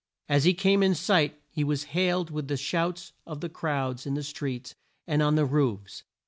As he came in sight he was hailed with the shouts of the crowds in the streets and on the roofs.